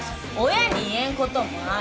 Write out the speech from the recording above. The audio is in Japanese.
親に言えん事もある。